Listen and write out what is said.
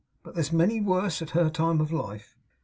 But there's many worse at her time of life.